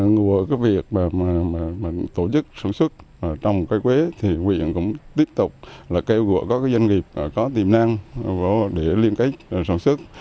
ngoài việc tổ chức sản xuất trong cây quế thì huyện cũng tiếp tục là kêu gọi các doanh nghiệp có tiềm năng để liên kết sản xuất